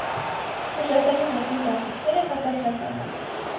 Հուշարձանի մասին կարծիքները հակասական են։